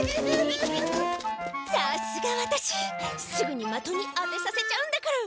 さすがワタシすぐにまとに当てさせちゃうんだから。